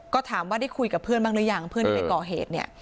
ก็ถามว่าได้คุยกับเพื่อนบ้างหรือยังเพื่อนที่ไปก่อเหตุเนี่ย